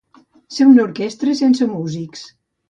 Ser una orquestra sense músics.